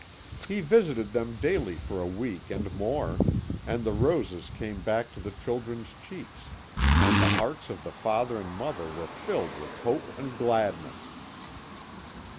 He visited them daily for a week and more, and the roses came back to the children's cheeks, and the hearts of the father and mother were filled with hope and gladness.